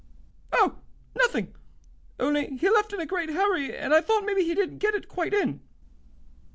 "Oh, nothing, only he left in a great hurry, and I thought maybe he didn't get it quite in."